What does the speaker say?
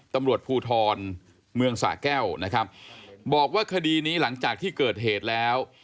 ตำรวจภูทรเมืองสะแก้วนะครับบอกว่าคดีนี้หลังจากที่เกิดเหตุแล้ว